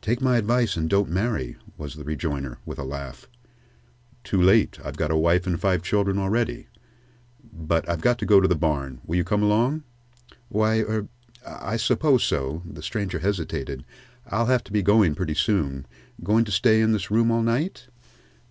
"Take my advice, and don't marry," was the rejoinder, with a laugh. "Too late I've got a wife and five children already. But I've got to go to the barn. Will you come along?" "Why er I suppose so." The stranger hesitated. "I'll have to be going pretty soon. Going to stay in this room all night?"